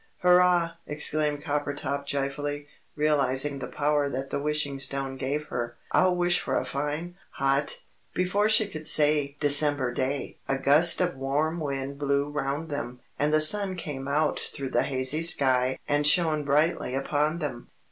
"Hurrah!" exclaimed Coppertop joyfully, realising the power that the Wishing Stone gave her. "I'll wish for a fine, hot " Before she could say "December day" a gust of warm wind blew round them, and the sun came out through the hazy sky and shone brightly upon them.